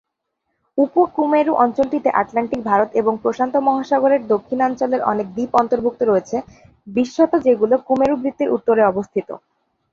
উপ-কুমেরু অঞ্চলটিতে আটলান্টিক, ভারত এবং প্রশান্ত মহাসাগরের দক্ষিণাঞ্চলের অনেক দ্বীপ অন্তর্ভুক্ত রয়েছে, বিশেষত যেগুলো কুমেরু বৃত্তের উত্তরে অবস্থিত।